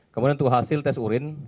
kemudian untuk hasil tes urin